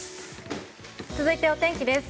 続いてお天気です。